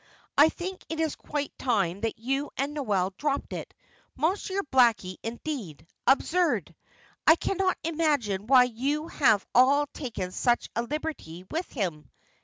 I think it is quite time that you and Noel dropped it. Monsieur Blackie, indeed! Absurd! I cannot imagine why you have all taken such a liberty with him."